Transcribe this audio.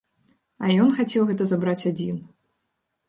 А ён хацеў гэта забраць адзін.